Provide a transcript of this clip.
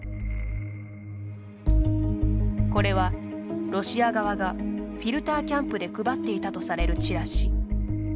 これはロシア側がフィルターキャンプで配っていたとされるチラシ。